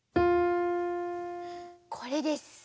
これです。